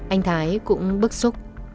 anh thái cũng bức xúc